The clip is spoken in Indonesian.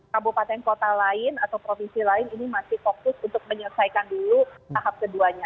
kabupaten kota lain atau provinsi lain ini masih fokus untuk menyelesaikan dulu tahap keduanya